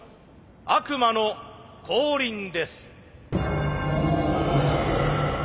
悪魔の降臨です。